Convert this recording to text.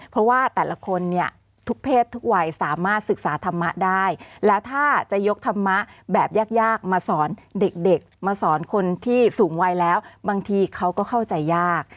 เพราะว่าแต่ละคนเนี่ยทุกเพศทุกวัยสามารถศึกษาธรรมะได้แล้วถ้าจะยกธรรมะแบบยากมาสอนเด็กมาสอนคนที่สูงวัยแล้วบางทีเขาก็เข้าใจยาก